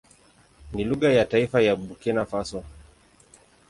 Ni lugha ya taifa ya Burkina Faso.